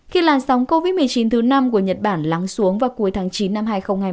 khi làn sóng covid một mươi chín thứ năm của nhật bản lắng xuống vào cuối tháng chín năm hai nghìn hai mươi